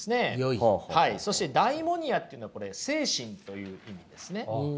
そして「ダイモニア」っていうのはこれ精神という意味ですね。